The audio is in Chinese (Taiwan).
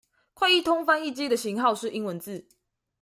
快譯通翻譯機的型號是英文字